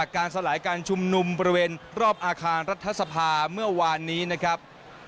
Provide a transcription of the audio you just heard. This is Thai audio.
การรัฐสภาเมื่อวานนี้นะครับ